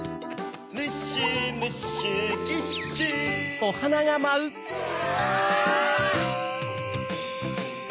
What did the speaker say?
ムッシュムッシュキッシュうわ！